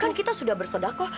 kan kita sudah bersedekah